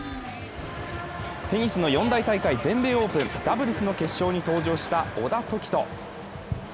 テニスの四大大会・全米オープンダブルス初優勝に登場した小田凱人。